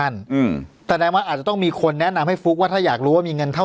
อืมแสดงว่าอาจจะต้องมีคนแนะนำให้ฟลุ๊กว่าถ้าอยากรู้ว่ามีเงินเท่า